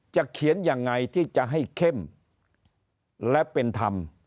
เขียนยังไงที่จะให้เข้มและเป็นธรรม